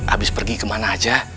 abis pergi kemana aja